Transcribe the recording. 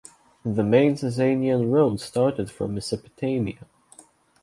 The main Sasanian road started from Mesopotamia.